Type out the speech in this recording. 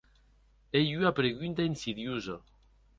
Ei ua pregunta insidiosa!